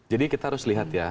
jadi kita harus lihat ya